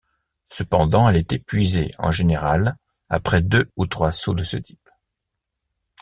Cependant, elle est épuisée en général après deux ou trois sauts de ce type.